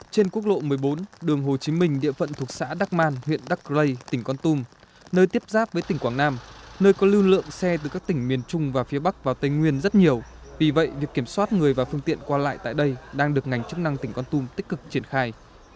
trên quốc lộ một mươi bốn đường hồ chí minh địa phận thuộc xã đắc man huyện đắc rây tỉnh con tum nơi tiếp giáp với tỉnh quảng nam nơi có lưu lượng xe từ các tỉnh miền trung và phía bắc vào tây nguyên rất nhiều vì vậy việc kiểm soát người và phương tiện qua lại tại đây đang được ngành chức năng tỉnh con tum tích cực triển khai